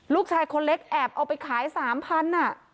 ลูกชายคนเล็กแอบเอาไปขาย๓๐๐บาท